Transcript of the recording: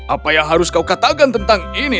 apa yang harus kau katakan tentang ini